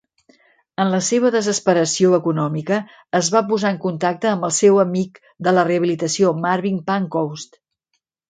En la seva desesperació econòmica, es va posar en contacte amb el seu amic de la rehabilitació, Marvin Pancoast.